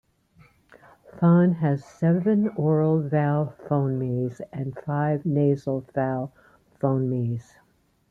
Fon has seven oral vowel phonemes and five nasal vowel phonemes.